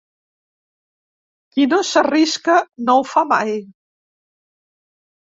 Qui no s'arrisca no ho fa mai.